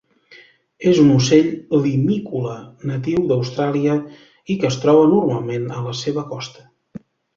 És un ocell limícola natiu d'Austràlia i que es troba normalment a la seva costa.